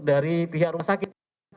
dari pihak rumah sakit